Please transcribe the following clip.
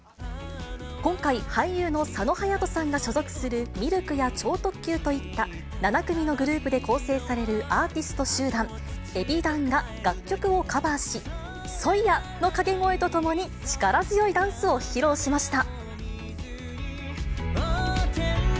今回、俳優の佐野勇斗さんが所属するミルクや超特急といった７組のグループで構成されるアーティスト集団、エビダンが楽曲をカバーし、ソイヤ！の掛け声とともに、力強いダンスを披露しました。